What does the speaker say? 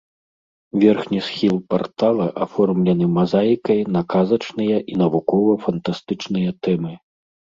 Верхні схіл партала аформлены мазаікай на казачныя і навукова-фантастычныя тэмы.